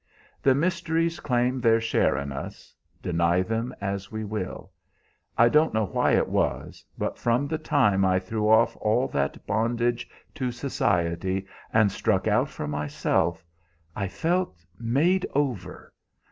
The mysteries claim their share in us, deny them as we will. I don't know why it was, but from the time I threw off all that bondage to society and struck out for myself, I felt made over.